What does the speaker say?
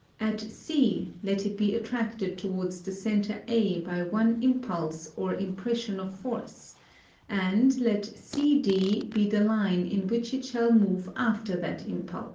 At C let it be attracted towards the center A by one impuls or impression of force, & let CD be the line in which it shall move after that impuls.